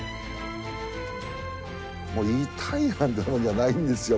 もう痛いなんてもんじゃないんですよ。